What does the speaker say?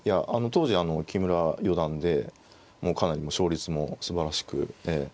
当時あの木村四段でもうかなり勝率もすばらしくええ